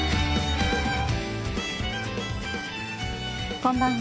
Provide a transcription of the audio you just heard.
こんばんは。